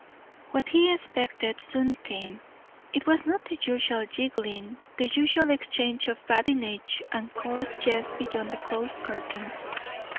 What he expected soon came. It was not the usual giggling, the usual exchange of badinage and coarse jest beyond the closed curtains.